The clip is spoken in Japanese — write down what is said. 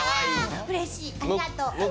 うれしい、ありがとう。